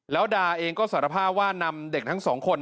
แล้วดาเองก็สารภาพว่านำเด็กทั้งสองคน